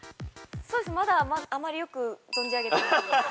そうですねまだあまりよく存じ上げてない。